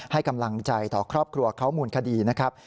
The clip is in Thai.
ให้กำลังใจต่อครอบครัวเขามูลคดีนะครับ